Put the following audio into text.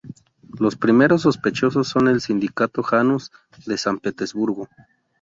Los primeros sospechosos son el sindicato Janus de San Petersburgo.